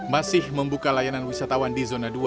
masih membuka layanan wisatawan di zona dua